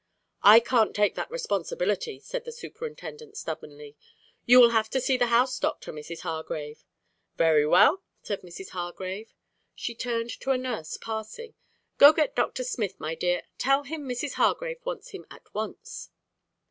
"I can't take the responsibility," said the superintendent stubbornly. "You will have to see the house doctor, Mrs. Hargrave." "Very well," said Mrs. Hargrave. She turned to a nurse passing. "Go get Doctor Smith, my dear; tell him Mrs. Hargrave wants him at once."